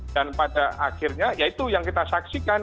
dan pada akhirnya ya itu yang kita saksikan